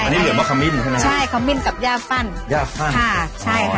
อันนี้เหลือมะขมิ้นใช่ไหมครับใช่มะขมิ้นกับย่าฟั่นย่าฟั่นใช่ค่ะ